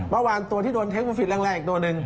เมื่อวานตัวที่โดนเทคโนฟิตแรงอีกตัวหนึ่ง